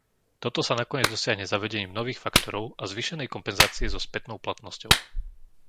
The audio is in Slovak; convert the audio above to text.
Toto sa nakoniec dosiahne zavedením nových faktorov a zvýšenej kompenzácie so spätnou platnosťou.